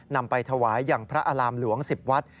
นำไปถวายอย่างพระอารามหลวง๑๐วัด